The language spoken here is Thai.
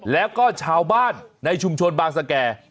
แล้วก็ชาวบ้านในชุมชนบางสแก่